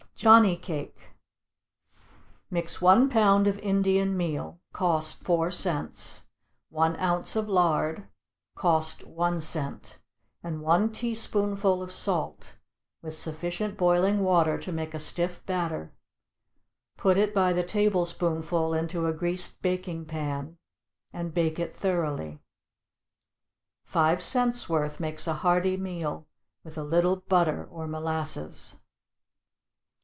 =Johnny Cake.= Mix one pound of Indian meal, (cost four cents,) one ounce of lard, (cost one cent,) and one teaspoonful of salt, with sufficient boiling water to make a stiff batter; put it by the tablespoonful into a greased baking pan, and bake it thoroughly. Five cents' worth makes a hearty meal, with a little butter or molasses.